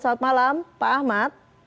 selamat malam pak ahmad